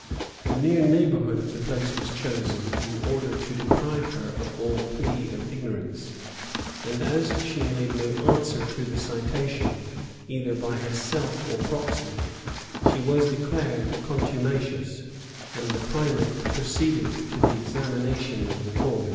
The near neighborhood of the place was chosen, in order to deprive her of all plea of ignorance; and as she made no answer to the citation, either by herself or proxy, she was declared "contumacious;" and the primate proceeded to the examination of the cause.